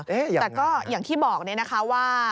แต่ก็อย่างที่บอกนะคะว่า